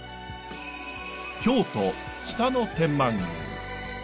京都北野天満宮。